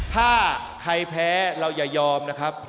ถ้าใครแพ้เราอย่ายอมนะครับ